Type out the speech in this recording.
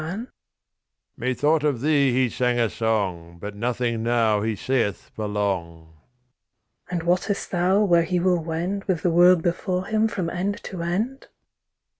THE RAVEN Methought of thee he sang a song, But nothing now he saith for long. THE KING'S DAUGHTER And wottest thou where he will wend With the world before him from end to end?